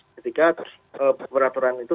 ketika peraturan itu